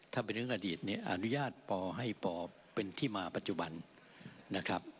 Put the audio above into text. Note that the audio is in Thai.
ถ้าเป็นเรื่องอดีตเนี่ยอนุญาตปให้ปเป็นที่มาปัจจุบันนะครับ